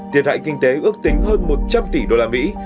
tiền hại kinh tế ước tính hơn một trăm linh tỷ usd